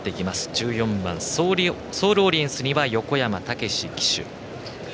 １４番、ソールオリエンスには横山武史騎手。